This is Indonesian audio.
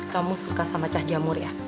kamu suka sama cah jamur ya